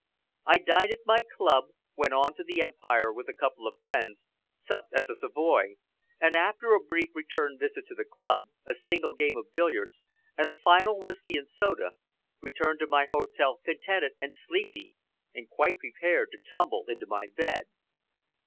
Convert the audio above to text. I dined at my club, went on to the Empire with a couple of friends, supped at the Savoy, and, after a brief return visit to the club, a single game of billiards and a final whisky and soda, returned to my hotel contented and sleepy, and quite prepared to tumble into bed.